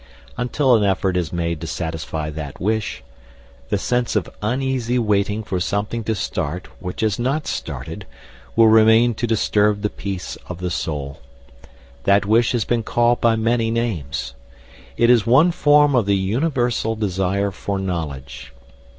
Until an effort is made to satisfy that wish, the sense of uneasy waiting for something to start which has not started will remain to disturb the peace of the soul. That wish has been called by many names. It is one form of the universal desire for knowledge.